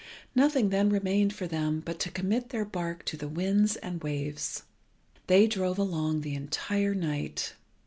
Nothing then remained for them but to commit their bark to the wind and waves. They drove along the entire night.